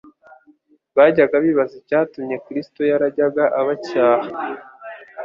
Bajyaga bibaza icyatumye Kristo yarajyaga abacyaha.